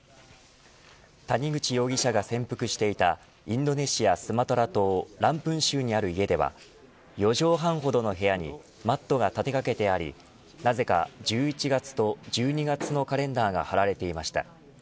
谷口容疑者が潜伏していたインドネシア、スマトラ島ランプン州にある家では４畳半ほどの部屋にマットが立てかけてありなぜか１１月と１２月のカレンダーが貼られていました。